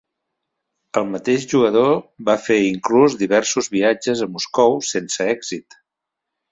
El mateix jugador va fer inclús diversos viatges a Moscou sense èxit.